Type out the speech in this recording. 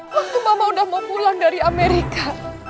waktu mama udah mau pulang dari amerika